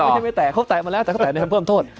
ก็แตะเขาแตะในทางเพิ่มโทษแต่เขาแตะในทางเพิ่มโทษ